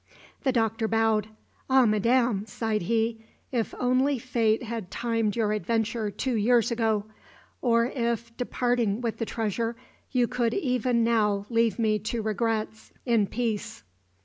The Doctor bowed. "Ah, madam," sighed he, "if only Fate had timed your adventure two years ago; or if, departing with the treasure, you could even now leave me to regrets in peace!"